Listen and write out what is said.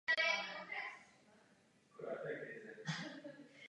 Mimo klasické žluté barvy se pěstují také odrůdy kvetoucí oranžově.